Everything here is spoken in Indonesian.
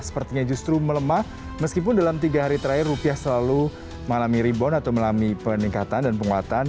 sepertinya justru melemah meskipun dalam tiga hari terakhir rupiah selalu mengalami rebound atau melami peningkatan dan penguatan